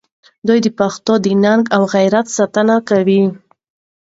دوی د پښتنو د ننګ او غیرت ساتونکي وو.